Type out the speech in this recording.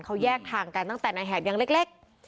เขาแยกทางกันตั้งแต่นายแหบยังเล็ก